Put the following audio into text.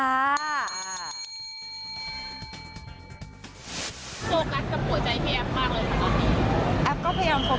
ตรงนี้มันความสุขใหม่